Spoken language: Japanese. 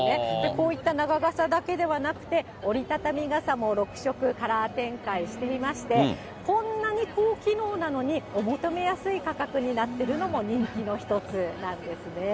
こういった長傘だけではなくて、折り畳み傘も６色カラー展開していまして、こんなに高機能なのにお求めやすい価格になってるのも人気の一つなんですね。